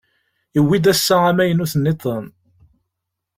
Yewwi-d ass-a amaynut-nniḍen.